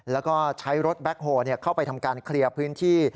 แล้วก็ใช้รถแบ็คโฮลเข้าไปทำการเคลียร์พื้นที่